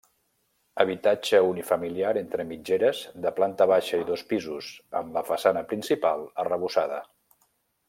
Habitatge unifamiliar entre mitgeres de planta baixa i dos pisos, amb la façana principal arrebossada.